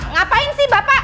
ngapain sih bapak